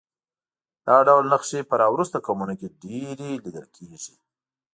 دا ډول نښې په راوروسته قومونو کې ډېرې لیدل کېږي